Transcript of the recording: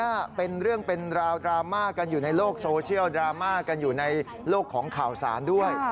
ไม่อันนี้ยายใส่ให้เขานานแล้วเอาไว้ใส่ดับกินด้วย